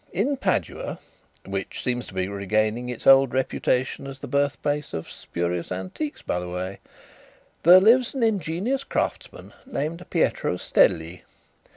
In Padua, which seems to be regaining its old reputation as the birthplace of spurious antiques, by the way, there lives an ingenious craftsman named Pietro Stelli.